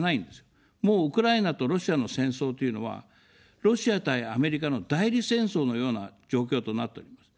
もうウクライナとロシアの戦争というのは、ロシア対アメリカの代理戦争のような状況となっております。